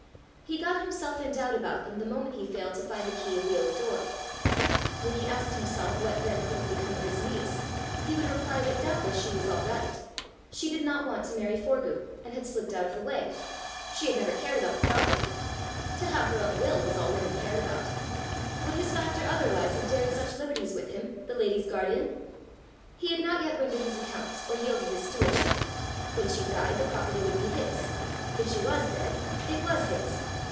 He got himself in doubt about them the moment he failed to find the key of the oak door. When he asked himself what then could have become of his niece, he would reply that doubtless she was all right: she did not want to marry Forgue, and had slipped out of the way: she had never cared about the property! To have their own will was all women cared about! Would his factor otherwise have dared such liberties with him, the lady's guardian? He had not yet rendered his accounts, or yielded his stewardship. When she died the property would be his! if she was dead, it was his!